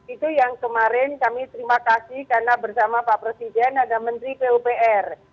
itu yang kemarin kami terima kasih karena bersama pak presiden ada menteri pupr